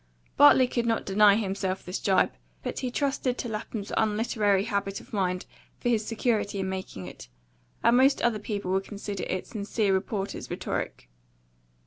Bartley could not deny himself this gibe; but he trusted to Lapham's unliterary habit of mind for his security in making it, and most other people would consider it sincere reporter's rhetoric.